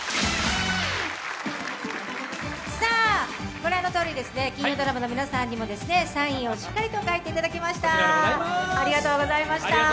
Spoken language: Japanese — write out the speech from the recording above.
ご覧のとおり金曜ドラマの皆さんにもサインをしっかりと書いていただきました、ありがとうございます。